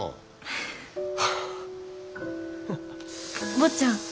坊ちゃん。